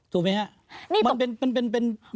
ถูกไหมครับ